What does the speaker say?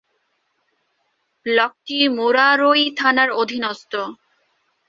ব্লকটি মুরারই থানার অধীনস্থ।